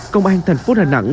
công an thành phố đà nẵng